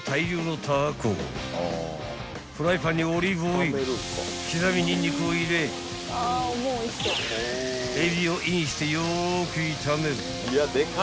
［フライパンにオリーブオイル刻みニンニクを入れエビをインしてよく炒める］